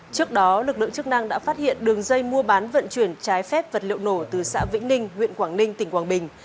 trước đó lực lượng chức năng đã phát hiện đường dây mua bán vận chuyển trái phép vật liệu nổ từ xã vĩnh ninh huyện quảng ninh tỉnh quảng bình